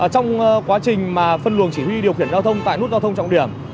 trong quá trình phân luồng chỉ huy điều khiển giao thông tại nút giao thông trọng điểm